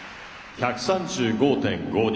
１３５．５２。